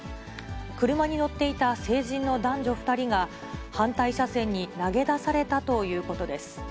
車に乗っていた成人の男女２人が反対車線に投げ出されたということです。